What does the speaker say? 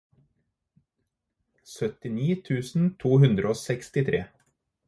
syttini tusen to hundre og sekstitre